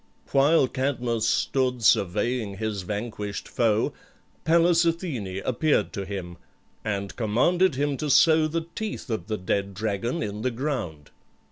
While Cadmus stood surveying his vanquished foe Pallas Athene appeared to him, and commanded him to sow the teeth of the dead dragon in the ground.